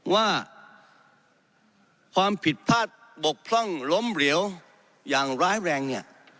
ว่าความผิดพลาดบกพร่องล้มเหลวอย่างร้ายแรงเนี่ย